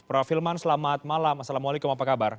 prof hilman selamat malam assalamualaikum apa kabar